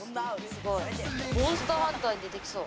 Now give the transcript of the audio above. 『モンスターハンター』に出てきそう。